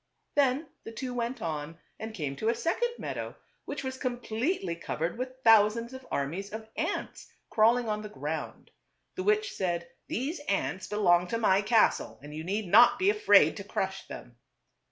Then the two went on and came to a second meadow, which was completely covered with thousands of armies of ants crawling on the ground. The witch said, " These ants belong to my castle and you need not be afraid to crush them."